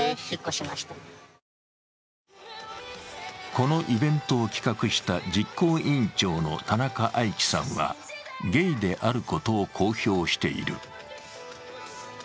このイベントを企画した実行委員長の田中愛生さんは、ゲイであることを公表している。